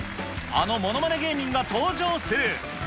あのものまね芸人が登場する。